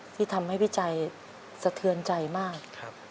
ที่ทำให้พี่ใจสะเทือนใจมาก